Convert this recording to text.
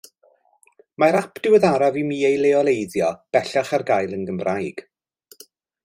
Mae'r ap diweddaraf i mi ei leoleiddio bellach ar gael yn Gymraeg.